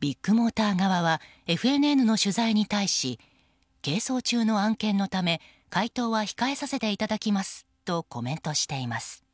ビッグモーター側はＦＮＮの取材に対し係争中の案件のため回答は控えさせていただきますとコメントしています。